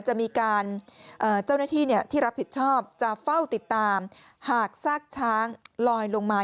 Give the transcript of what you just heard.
จะมีการเจ้าหน้าที่ที่รับผิดชอบจะเฝ้าติดตามหากซากช้างลอยลงมา